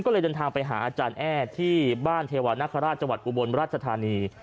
ก็เลยเดินทางไปหาอาจารย์แอ้ที่บ้านเทวานคราชจังหวัดอุบลราชธานี